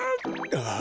ああ。